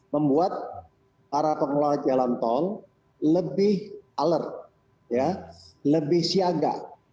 membuat para pengelola jalan tol lebih alert lebih siaga